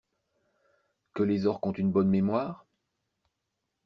Que les orques ont une bonne mémoire?